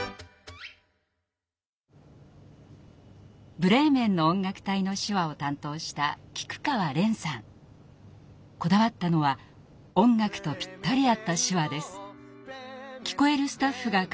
「ブレーメンのおんがくたい」の手話を担当したこだわったのは音楽とぴったり合った手話です。